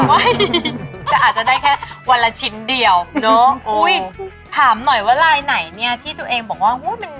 เอ๊ยจะอาจจะได้แค่วันละชินเดี่ยวเนอะอุ้ยถามหน่อยว่ารายไม่ไหนเนี้ยที่ตัวเองบอกว่า